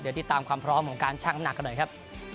เดี๋ยวติดตามความพร้อมของการชั่งหนักกันหน่อยครับ